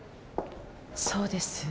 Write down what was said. そうです。